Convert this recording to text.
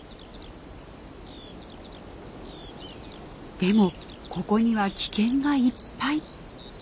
でもここには危険がいっぱい。